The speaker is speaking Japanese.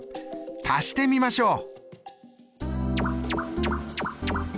足してみましょう！